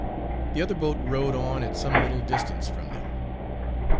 The other boat rowed on at some little distance from them.